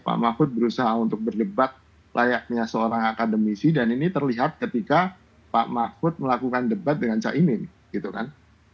pak mahfud berusaha untuk berdebat layaknya seorang akademisi dan ini terlihat ketika pak mahfud melakukan debat dengan caimin gitu kan